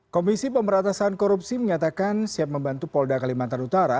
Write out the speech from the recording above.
komisi pemeratasan korupsi mengatakan siap membantu polda kalimantan utara